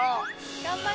頑張れ。